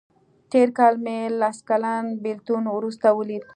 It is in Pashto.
تېر کال مې له لس کلن بیلتون وروسته ولیده.